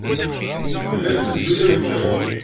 Llan ssenduyen akeffay.